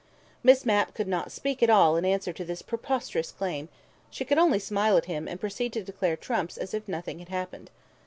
Miss Mapp could not speak at all in answer to this preposterous claim: she could only smile at him, and proceed to declare trumps as if nothing had happened.